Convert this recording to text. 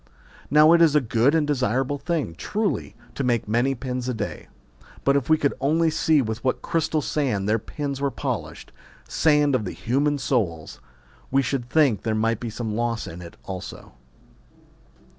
Now it is a good and desirable thing, truly, to make many pins a day ; but if we could only see with what crystal sand their points were polished, sand of human souls, we should think there might be some loss in it also.